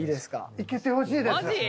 行けてほしいです。